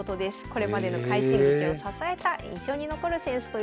これまでの快進撃を支えた印象に残る扇子ということです。